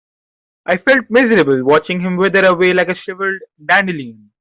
But I felt miserable watching him wither away like a shriveled dandelion.